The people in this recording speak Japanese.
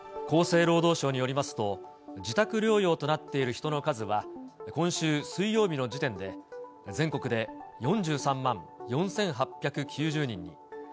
厚生労働省によりますと、自宅療養となっている人の数は、今週水曜日の時点で、全国で４３万４８９０人に。